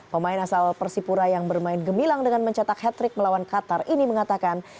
pemain asal persipura yang bermain gemilang dengan mencetak hat trick melawan qatar ini mengatakan